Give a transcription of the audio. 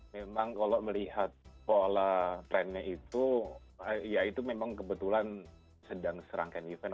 memang kalau melihat pola trennya itu ya itu memang kebetulan sedang serangkan event